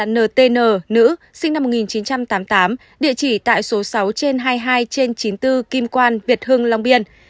ntn nữ sinh năm một nghìn chín trăm tám mươi tám địa chỉ tại số sáu trên hai mươi hai trên chín mươi bốn kim quan việt hưng long biên